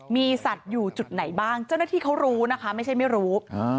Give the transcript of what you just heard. มีสัตว์อยู่จุดไหนบ้างเจ้าหน้าที่เขารู้นะคะไม่ใช่ไม่รู้